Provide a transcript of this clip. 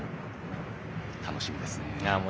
楽しみですね。